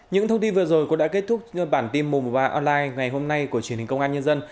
những thông tin vừa rồi cũng đã kết thúc bản tin mùng ba online ngày hôm nay của truyền hình công an nhân dân